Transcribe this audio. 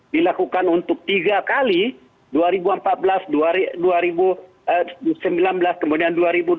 dilakukan untuk tiga kali dua ribu empat belas dua ribu sembilan belas kemudian dua ribu dua puluh